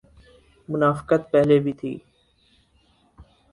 منافقت پہلے بھی تھی۔